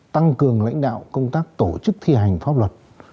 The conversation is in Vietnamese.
tăng cường lãnh đạo công tác tổ chức thi hành pháp luật